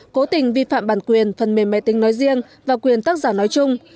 cố tình vi phạm bản quyền phần mềm máy tính nói riêng và quyền tác giả nói chung